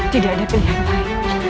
tidak ada pilihan kau